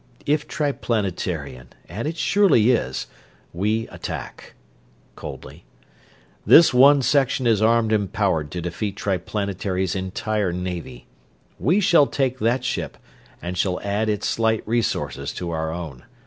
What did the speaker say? "If Triplanetarian, and it surely is, we attack," coldly. "This one section is armed and powered to defeat Triplanetary's entire navy. We shall take that ship, and shall add its slight resources to our own.